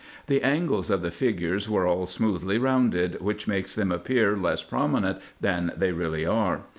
The angles of the figures were all smoothly rounded, which makes them appear less prominent than they really are.